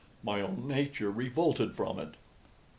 My own nature revolted from it.